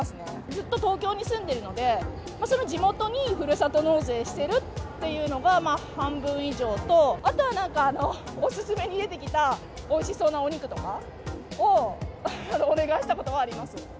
ずっと東京に住んでいるので、その地元に、ふるさと納税してるっていうのが半分以上と、あとはなんか、お勧めに出てきたおいしそうなお肉とかをお願いしたことはありま